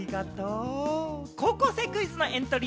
『高校生クイズ』のエントリ